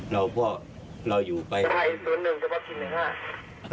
เราก็เราอยู่ไปภายศูนย์หนึ่งก็ประสิทธิ์หนึ่งห้า